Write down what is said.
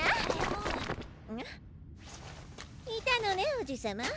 いたのねおじさま。